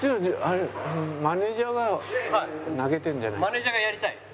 マネージャーがやりたい？